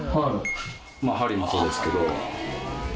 まあ梁もそうですけど。